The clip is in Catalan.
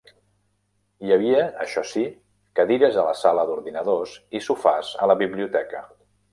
Hi havia, això sí, cadires a la sala d'ordinadors i sofàs a la biblioteca.